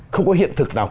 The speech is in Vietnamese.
không có hiện thực nào